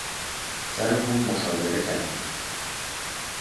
سر پول مشاجره کردند.